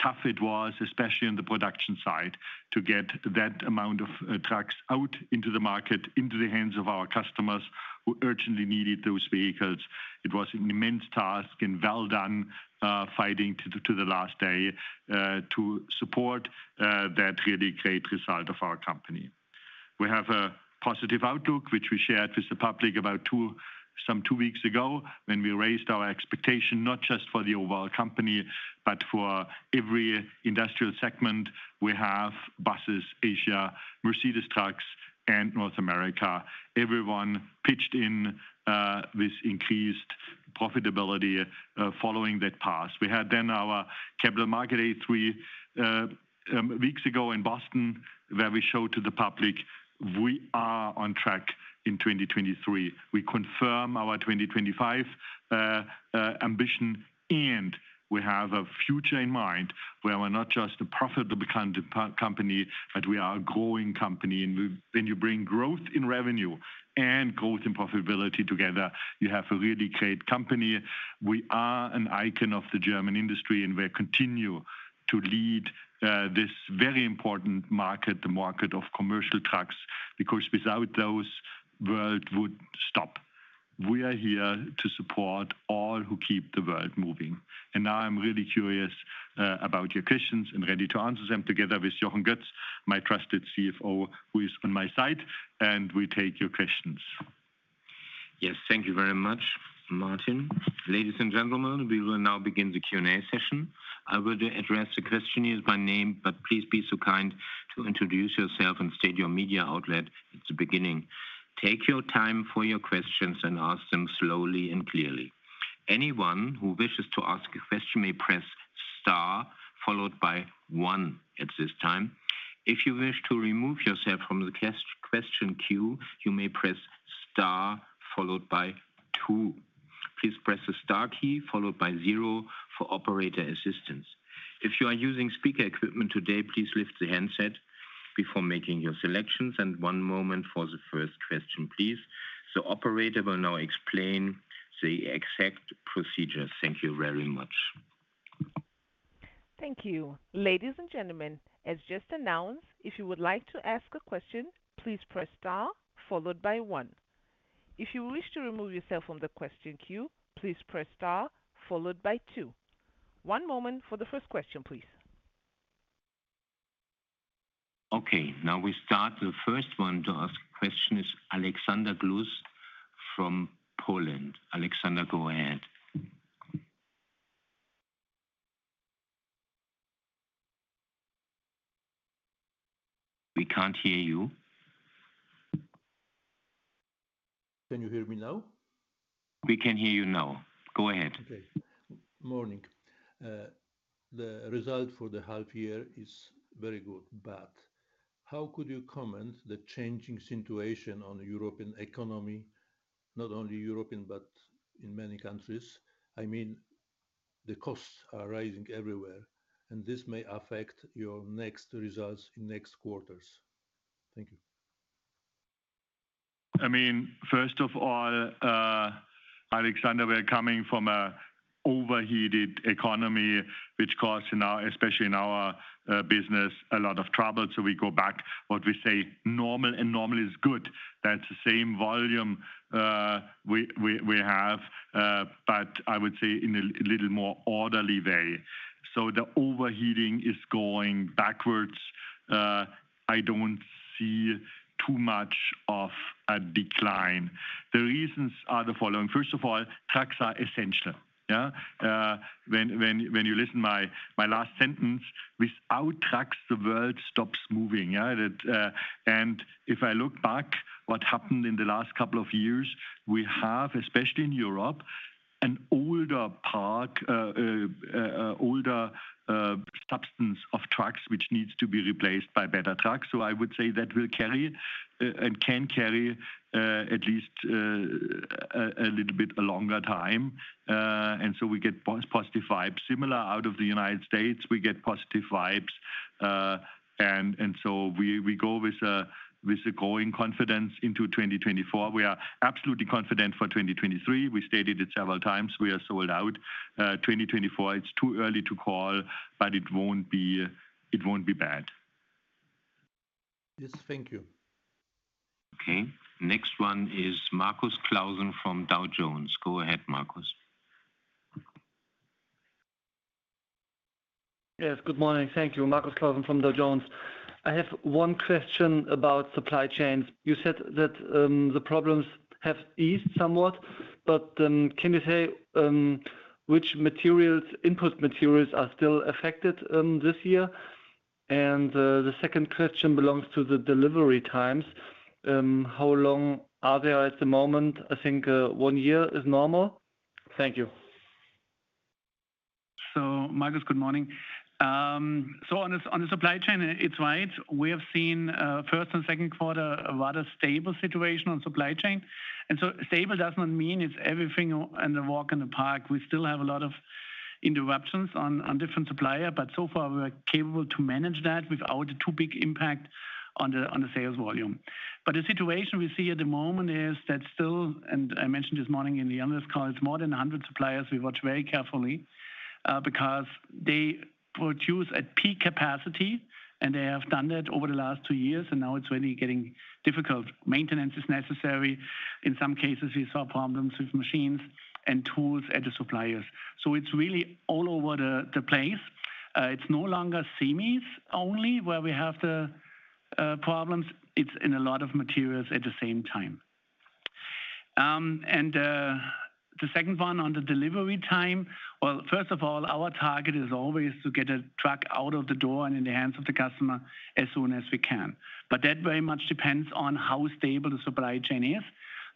tough it was, especially on the production side, to get that amount of trucks out into the market, into the hands of our customers who urgently needed those vehicles. It was an immense task and well done, fighting to, to the last day, to support that really great result of our company. We have a positive outlook, which we shared with the public about some 2 weeks ago, when we raised our expectation, not just for the overall company, but for every industrial segment we have, buses, Asia, Mercedes-Benz Trucks, and North America. Everyone pitched in with increased profitability, following that path. We had then our Capital Market Day, 3 weeks ago in Boston, where we showed to the public we are on track in 2023. We confirm our 2025 ambition, and we have a future in mind where we're not just a profitable kind of company, but we are a growing company. When you bring growth in revenue and growth in profitability together, you have a really great company. We are an icon of the German industry, and we continue to lead this very important market, the market of commercial trucks, because without those, world would stop. We are here to support all who keep the world moving. Now I'm really curious about your questions and ready to answer them together with Jochen Goetz, my trusted CFO, who is on my side, and we take your questions. Yes, thank you very much, Martin. Ladies and gentlemen, we will now begin the Q&A session. I will address the questioners by name, but please be so kind to introduce yourself and state your media outlet at the beginning. Take your time for your questions and ask them slowly and clearly. Anyone who wishes to ask a question may press Star followed by One at this time. If you wish to remove yourself from the question queue, you may press Star followed by Two. Please press the Star key followed by Zero for operator assistance. If you are using speaker equipment today, please lift the handset before making your selections, and one moment for the first question, please. The operator will now explain the exact procedure. Thank you very much. Thank you. Ladies and gentlemen, as just announced, if you would like to ask a question, please press Star followed by One. If you wish to remove yourself from the question queue, please press Star followed by Two. One moment for the first question, please. Okay, now we start. The first one to ask question is Alexander Hauenstein from Poland. Alexander, go ahead. We can't hear you. Can you hear me now? We can hear you now. Go ahead. Okay. Morning. The result for the half year is very good, but how could you comment the changing situation on European economy, not only European, but in many countries? I mean, the costs are rising everywhere, and this may affect your next results in next quarters. Thank you. I mean, first of all, Alexander, we are coming from a overheated economy, which caused in our, especially in our business, a lot of trouble, so we go back what we say normal, and normal is good. That's the same volume we, we, we have, but I would say in a little more orderly way. The overheating is going backwards. I don't see too much of a decline. The reasons are the following: First of all, trucks are essential, yeah? When, when, when you listen my, my last sentence, without trucks, the world stops moving, yeah? It. If I look back what happened in the last couple of years, we have, especially in Europe, an older park, older substance of trucks, which needs to be replaced by better trucks. I would say that will carry, and can carry, at least a little bit a longer time. We get positive vibes. Similar, out of the United States, we get positive vibes. We go with a growing confidence into 2024. We are absolutely confident for 2023. We stated it several times, we are sold out. 2024, it's too early to call, but it won't be, it won't be bad. Yes, thank you. Okay, next one is Markus Klausen from Dow Jones. Go ahead, Markus. Yes, good morning. Thank you. Markus Klausen from Dow Jones. I have one question about supply chains. You said that the problems have eased somewhat, but can you say which materials, input materials are still affected this year? The second question belongs to the delivery times. How long are they at the moment? I think one year is normal. Thank you. Markus, good morning. On a, on a supply chain, it's right. We have seen, first and second quarter, a rather stable situation on supply chain. Stable does not mean it's everything on a walk in the park. We still have a lot of interruptions on, on different supplier, so far, we are capable to manage that without a too big impact on the, on the sales volume. The situation we see at the moment is that still, and I mentioned this morning in the earnings call, it's more than 100 suppliers we watch very carefully, because they produce at peak capacity, and they have done that over the last two years, and now it's really getting difficult. Maintenance is necessary. In some cases, we saw problems with machines and tools at the suppliers. It's really all over the, the place. It's no longer semis only, where we have the problems. It's in a lot of materials at the same time. The second one on the delivery time, well, first of all, our target is always to get a truck out of the door and in the hands of the customer as soon as we can. That very much depends on how stable the supply chain is,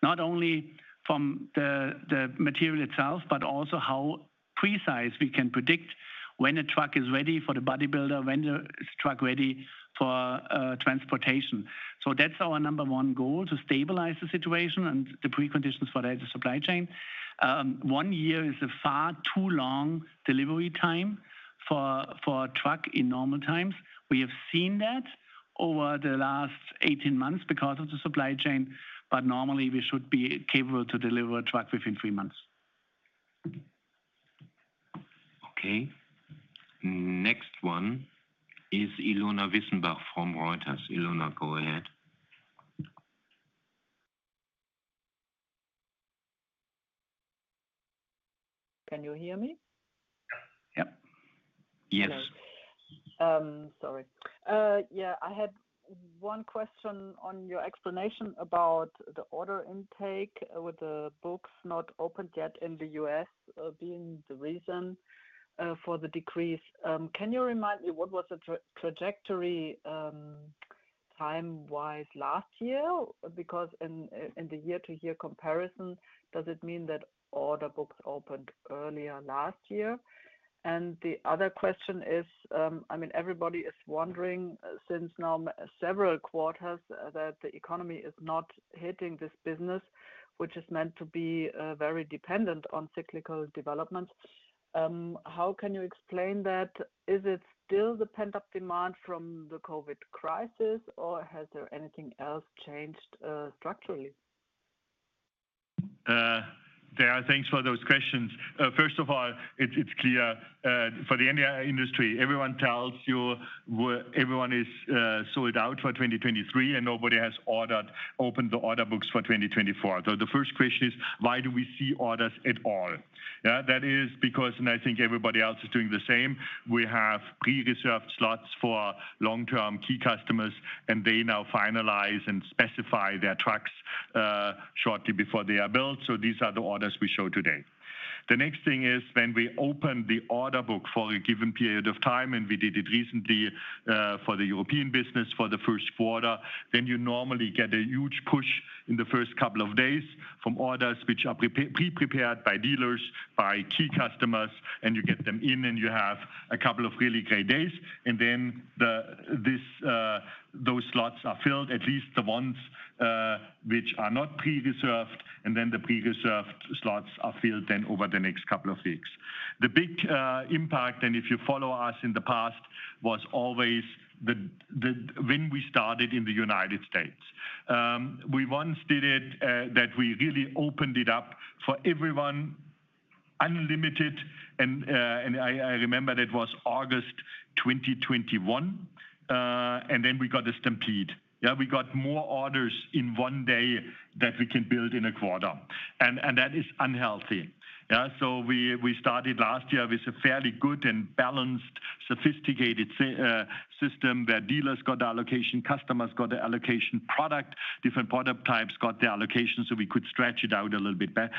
not only from the, the material itself, but also how precise we can predict when a truck is ready for the bodybuilder, when the truck ready for transportation. That's our number one goal, to stabilize the situation and the preconditions for the supply chain. One year is a far too long delivery time for a truck in normal times. We have seen that over the last 18 months because of the supply chain, but normally we should be capable to deliver a truck within three months. Next one is Ilona Wissenbach from Reuters. Ilona, go ahead. Can you hear me? Yep. Yes. Sorry. Yeah, I had one question on your explanation about the order intake, with the books not opened yet in the U.S., being the reason for the decrease. Can you remind me, what was the trajectory, time-wise last year? Because in the year-to-year comparison, does it mean that order books opened earlier last year? The other question is, I mean, everybody is wondering, since now several quarters, that the economy is not hitting this business, which is meant to be very dependent on cyclical developments, how can you explain that? Is it still the pent-up demand from the COVID crisis, or has there anything else changed, structurally?... there are thanks for those questions. First of all, it's, it's clear, for the India industry, everyone tells you where everyone is, sold out for 2023, nobody has opened the order books for 2024. The first question is, why do we see orders at all? Yeah, that is because, and I think everybody else is doing the same, we have pre-reserved slots for long-term key customers, and they now finalize and specify their trucks, shortly before they are built. These are the orders we show today. The next thing is when we open the order book for a given period of time, and we did it recently, for the European business for the first quarter, then you normally get a huge push in the first couple of days from orders which are pre-prepared by dealers, by key customers, and you get them in, and you have a couple of really great days. Then those slots are filled, at least the ones which are not pre-reserved, and then the pre-reserved slots are filled then over the next couple of weeks. The big impact, and if you follow us in the past, was always the when we started in the United States. We once did it that we really opened it up for everyone unlimited, and I remember that was August 2021, and then we got the stampede. We got more orders in one day than we can build in a quarter. That is unhealthy. We started last year with a fairly good and balanced, sophisticated system, where dealers got their allocation, customers got their allocation, product, different product types got their allocation, so we could stretch it out a little bit better.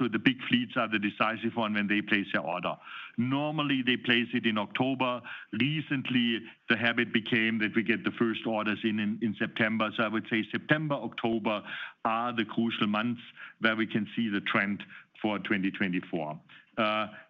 The big fleets are the decisive one when they place their order. Normally, they place it in October. Recently, the habit became that we get the first orders in, in, in September. I would say September, October are the crucial months where we can see the trend for 2024.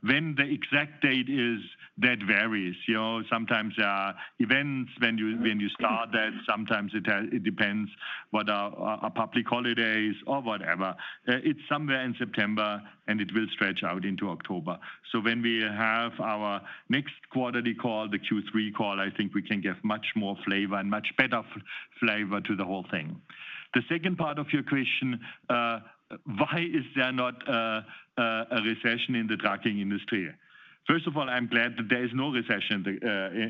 When the exact date is, that varies. You know, sometimes there are events when you, when you start that, sometimes it depends what a public holiday is or whatever. It's somewhere in September, and it will stretch out into October. When we have our next quarterly call, the Q3 call, I think we can give much more flavor and much better flavor to the whole thing. The second part of your question, why is there not a recession in the trucking industry? First of all, I'm glad that there is no recession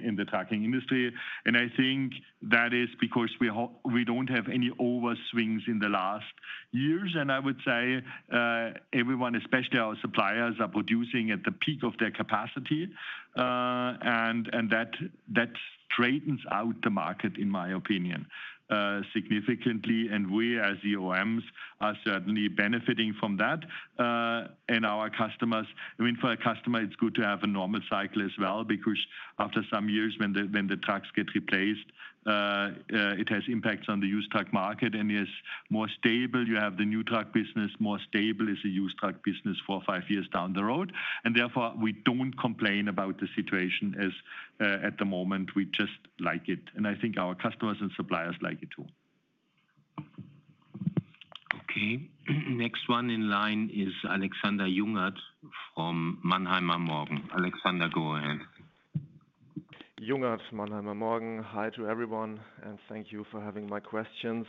in the trucking industry, and I think that is because we don't have any overswings in the last years. I would say, everyone, especially our suppliers, are producing at the peak of their capacity, and that, that straightens out the market, in my opinion, significantly. We, as OEMs, are certainly benefiting from that, and our customers. I mean, for a customer, it's good to have a normal cycle as well, because after some years, when the, when the trucks get replaced, it has impacts on the used truck market, and it's more stable. You have the new truck business, more stable as a used truck business for five years down the road. Therefore, we don't complain about the situation as, at the moment, we just like it, and I think our customers and suppliers like it, too. Next one in line is Alexander Jungert from Mannheimer Morgen. Alexander, go ahead. Jungert, Mannheimer Morgen. Hi to everyone, and thank you for having my questions.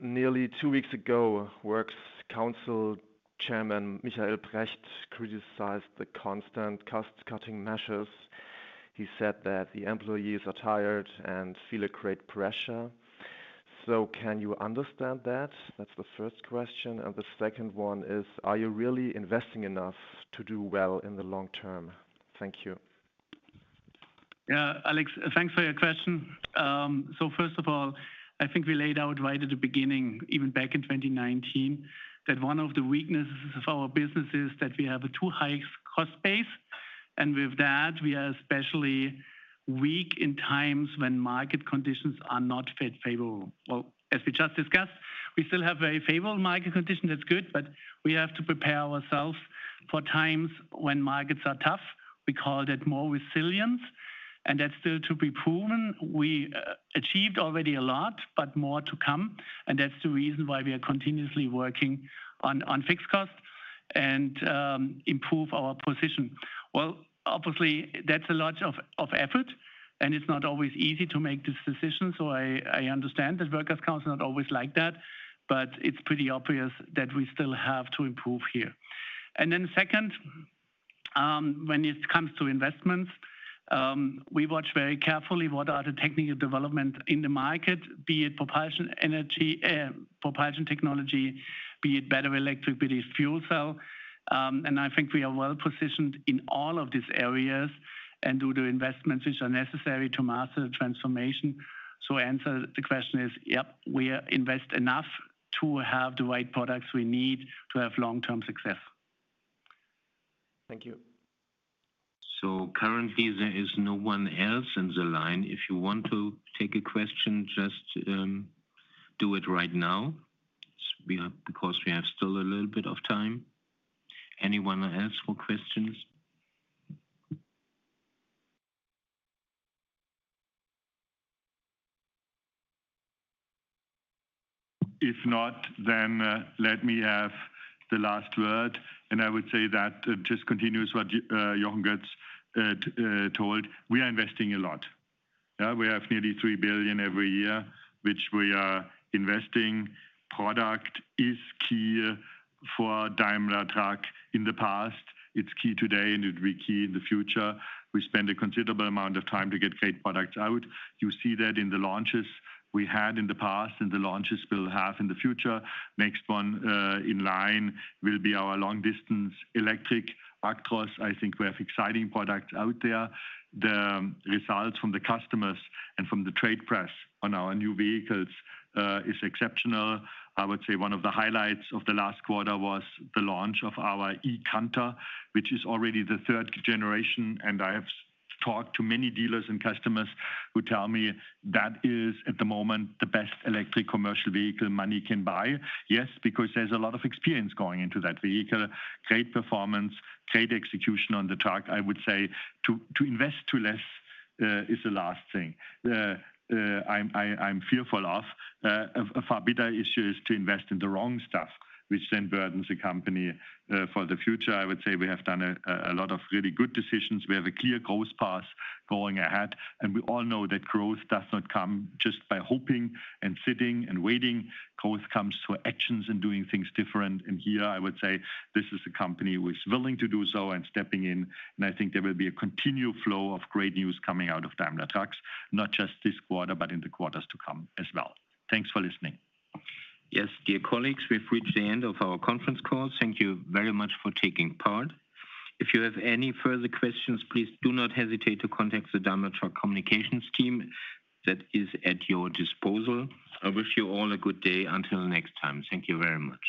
Nearly two weeks ago, Works Council Chairman Michael Brecht criticized the constant cost-cutting measures. He said that the employees are tired and feel a great pressure. Can you understand that? That's the first question. The second one is, are you really investing enough to do well in the long term? Thank you. Yeah, Alex, thanks for your question. First of all, I think we laid out right at the beginning, even back in 2019, that one of the weaknesses of our business is that we have a too high cost base, and with that, we are especially weak in times when market conditions are not favorable. Well, as we just discussed, we still have very favorable market conditions. That's good. We have to prepare ourselves for times when markets are tough. We call that more resilience. That's still to be proven. We achieved already a lot. More to come. That's the reason why we are continuously working on fixed costs and improve our position. Well, obviously, that's a lot of, of effort, and it's not always easy to make these decisions, so I, I understand that Works Council not always like that, but it's pretty obvious that we still have to improve here. Second, when it comes to investments, we watch very carefully what are the technical development in the market, be it propulsion, energy, propulsion technology, be it battery electric, be it fuel cell. I think we are well-positioned in all of these areas and do the investments which are necessary to master the transformation. Answer the question is, yep, we invest enough to have the right products we need to have long-term success. Thank you. Currently, there is no one else in the line. If you want to take a question, just do it right now, because we have still a little bit of time. Anyone else for questions? If not, let me have the last word, and I would say that just continues what Jochen Goetz told. We are investing a lot.... Yeah, we have nearly 3 billion every year, which we are investing. Product is key for Daimler Truck in the past, it's key today, and it will be key in the future. We spend a considerable amount of time to get great products out. You see that in the launches we had in the past and the launches we'll have in the future. Next one in line will be our long-distance electric eActros. I think we have exciting products out there. The results from the customers and from the trade press on our new vehicles is exceptional. I would say one of the highlights of the last quarter was the launch of our eCanter, which is already the third generation, and I have talked to many dealers and customers who tell me that is, at the moment, the best electric commercial vehicle money can buy. Yes, because there's a lot of experience going into that vehicle, great performance, great execution on the truck. I would say to, to invest too less, is the last thing. I'm fearful of. A far bigger issue is to invest in the wrong stuff, which then burdens the company, for the future. I would say we have done a lot of really good decisions. We have a clear growth path going ahead, and we all know that growth does not come just by hoping and sitting and waiting. Growth comes through actions and doing things different, and here I would say this is a company who is willing to do so and stepping in, and I think there will be a continued flow of great news coming out of Daimler Truck, not just this quarter, but in the quarters to come as well. Thanks for listening. Yes, dear colleagues, we've reached the end of our conference call. Thank you very much for taking part. If you have any further questions, please do not hesitate to contact the Daimler Truck communications team that is at your disposal. I wish you all a good day. Until next time, thank you very much.